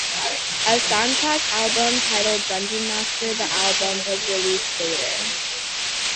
A soundtrack album, titled "Dungeon Master: The Album", was released later.